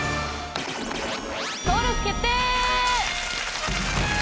登録決定！